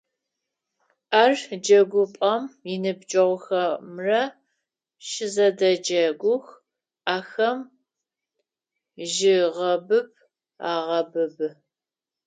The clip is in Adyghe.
Ар джэгупӏэм иныбджэгъухэмрэ щызэдэджэгух, ахэм жьыгъэбыб агъэбыбы.